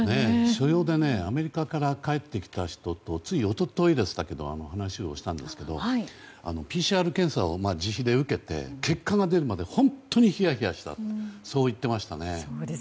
所用でアメリカから帰ってきた人とつい一昨日、話をしたんですがＰＣＲ検査を自費で受けて結果が出るまで本当にひやひやしたと言っていましたね。